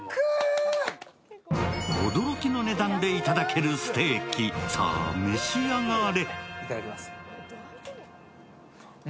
驚きの値段でいただけるステーキ、さあ召し上がれ！